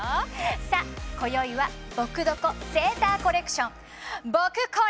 さあこよいはぼくドコセーターコレクションぼくコレ！